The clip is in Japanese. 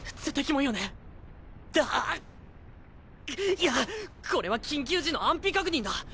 いやこれは緊急時の安否確認だ。